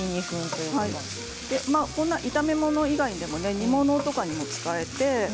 炒め物以外でも、煮物とかにも使えて。